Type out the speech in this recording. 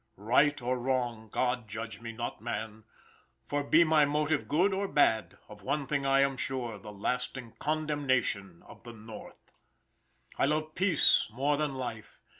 "Right or wrong, God judge me, not man. For be my motive good or bad, of one thing I am sure, the lasting condemnation of the North. "I love peace more than life.